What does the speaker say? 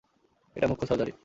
এটা মূখ্য সার্জারি।